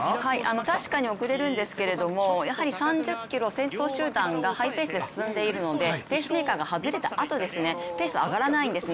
確かに遅れるんですけど３０ｋｍ、先頭集団がハイペースで進んでいるのでペースメーカーが外れたあと、ペースが上がらないんですね。